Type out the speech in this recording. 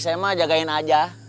saya mah jagain aja